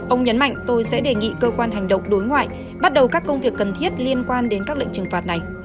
ông nhấn mạnh tôi sẽ đề nghị cơ quan hành động đối ngoại bắt đầu các công việc cần thiết liên quan đến các lệnh trừng phạt này